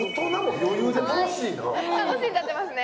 楽しんじゃってますね